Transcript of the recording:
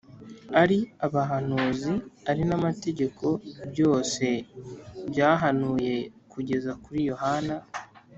Ari Abahanuzi ari n Amategeko byose byahanuye kugeza kuri Yohana